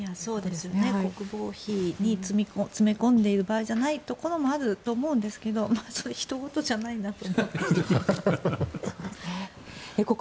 国防費に詰め込んでいる場合じゃないところもあると思うんですけどひと事じゃないなと。